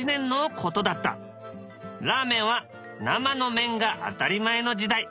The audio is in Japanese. ラーメンは生の麺が当たり前の時代。